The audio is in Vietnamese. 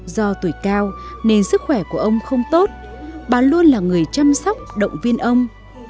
do tuổi cao nên sức khỏe của ông không tốt bà luôn là người chăm sóc động viên ông